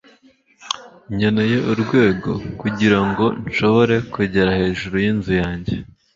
nkeneye urwego kugirango nshobore kugera hejuru yinzu yanjye